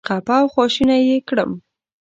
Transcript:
خپه او خواشینی یې کړم.